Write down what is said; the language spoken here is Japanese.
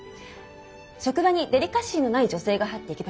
「職場にデリカシーのない女性が入ってきました。